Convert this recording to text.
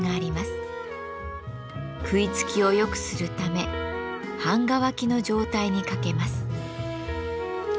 食いつきをよくするため半乾きの状態にかけます。